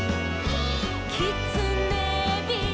「きつねび」「」